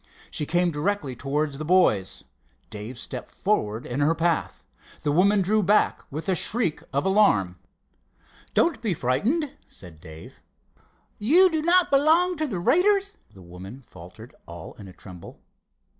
She came directly towards the boys. Dave stepped forward in her path. The woman drew back with a shriek of alarm. "Don't be frightened," said Dave. "You do not belong to the raiders?" the woman faltered, all in a tremble.